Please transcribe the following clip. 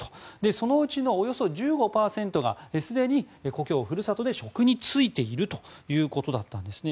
そのうちのおよそ１５％がすでに故郷で職に就いているということだったんですね。